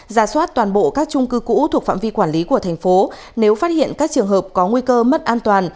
giả soát toàn bộ các trung cư cũ thuộc phạm vi quản lý của tp nếu phát hiện các trường hợp có nguy cơ mất an toàn